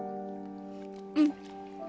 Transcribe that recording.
うん。